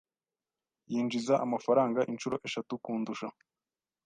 Yinjiza amafaranga inshuro eshatu kundusha.